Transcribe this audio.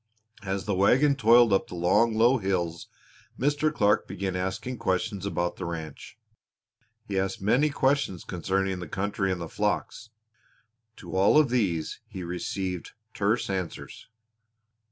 As the wagon toiled up the long, low hills Mr. Clark began asking questions about the ranch he asked many questions concerning the country and the flocks. To all of these he received terse answers.